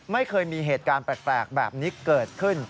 ไม่เคยมีเหตุการณ์แปลกแบบนี้เกิดขึ้น